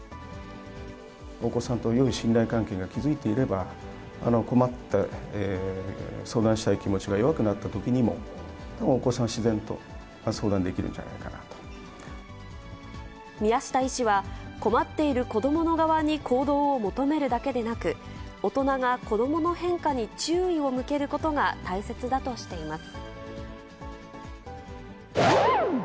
お子さんとよい信頼関係が築いていれば、困った相談したい気持ちが弱くなったときにも、お子さん、自然と宮下医師は、困っている子どもの側に行動を求めるだけでなく、大人が子どもの変化に注意を向けることが大切だとしています。